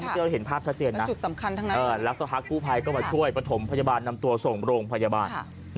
ช่วยประโยบาณนำตัวส่งโรงพยาบาล